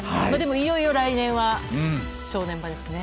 いよいよ来年は正念場ですね。